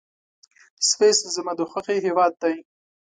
سویس زما د خوښي هېواد دی.